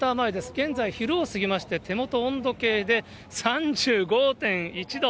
現在、昼を過ぎまして、手元、温度計で３５．１度。